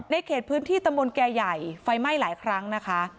เขตพื้นที่ตำบลแก่ใหญ่ไฟไหม้หลายครั้งนะคะ